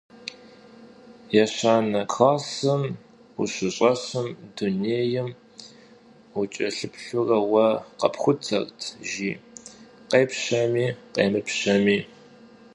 Yêşane klassım vuşış'esım, dunêym vuç'elhıplhure, vue khepxutert jı khêpşemi khêmıpşemi.